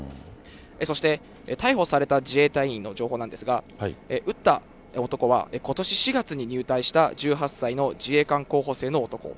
そして、逮捕された自衛隊員の情報なんですが、撃った男はことし４月に入隊した１８歳の自衛官候補生の男。